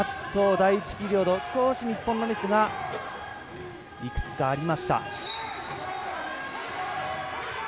第１ピリオド、少し日本のミスがいくつかありました。